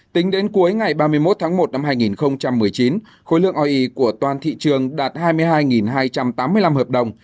tính đến cuối ngày ba mươi một tháng một năm hai nghìn một mươi chín khối lượng ie của toàn thị trường đạt hai mươi hai hai trăm tám mươi năm hợp đồng